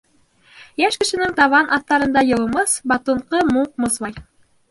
Йәш кешенең табан аҫтарында йылымыс, батынҡы мүк мызлай.